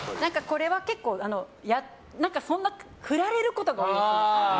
これは結構振られることが多いです。